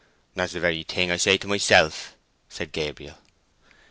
"That's the very thing I say to myself," said Gabriel.